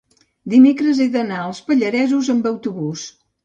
dimecres he d'anar als Pallaresos amb autobús.